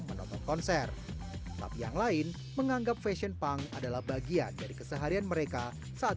menonton konser tapi yang lain menganggap fashion punk adalah bagian dari keseharian mereka saat